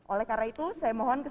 oleh karena itu saya mohon